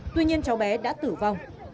tuy nhiên cháu bé đã tử vong